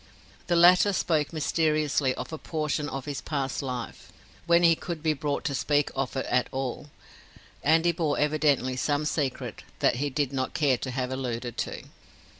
The latter spoke mysteriously of a portion of his past life when he could be brought to speak of it at all and he bore evidently some secret that he did not care to have alluded to.